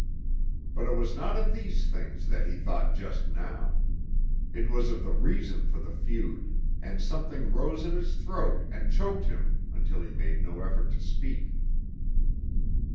But it was not of these things that he thought just now. It was of the reason for the feud, and something rose in his throat and choked him until he made no effort to speak.